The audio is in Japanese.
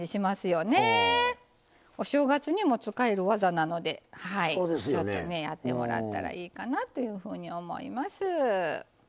お正月にも使える技なのではいちょっとねやってもらったらいいかなというふうには思います。